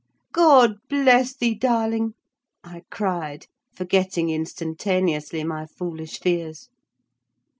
"God bless thee, darling!" I cried, forgetting instantaneously my foolish fears.